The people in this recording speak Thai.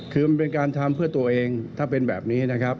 คือมันเป็นการทำเพื่อตัวเองถ้าเป็นแบบนี้นะครับ